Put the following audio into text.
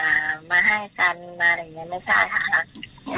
ไม่แบบที่จะต้องมาให้การเงินมาอะไรอย่างนี้ไม่ใช่ค่ะ